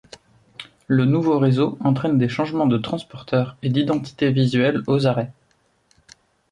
Le nouveau réseau entraîne des changements de transporteurs et d'identité visuelle aux arrêts.